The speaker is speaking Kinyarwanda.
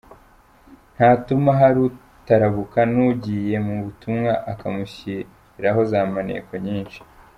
Ntatuma hari utarabuka n’ugiye mu butumwa akamushyiraho za maneko nyinshi.